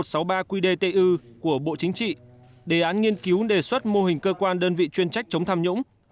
số một trăm sáu mươi ba qdtu của bộ chính trị đề án nghiên cứu đề xuất mô hình cơ quan đơn vị chuyên trách chống tham nhũng